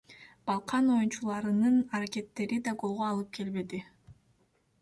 Балкан оюнчуларынын аракеттери да голго алып келбеди.